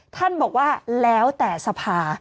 ท่านบอกว่าแล้วแต่สภา